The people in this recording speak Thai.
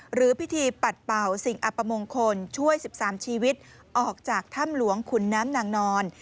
หรือพิธีปัดเป่าสิ่งอัปมงคลช่วย๑๓ชีวิตออกจากถ้ำหลวงขุนน้ำนางนอน